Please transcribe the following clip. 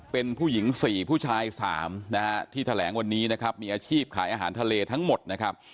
เป็นผู้หญิง๔ผู้ชาย๓นะฮะที่แถลงวันนี้นะครับมีอาชีพขายอาหารทะเลทั้งหมดนะครับ